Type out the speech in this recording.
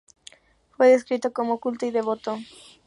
Fue descrito como culto y devoto.